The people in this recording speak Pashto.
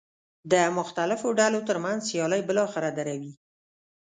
د مختلفو ډلو ترمنځ سیالۍ بالاخره دروي.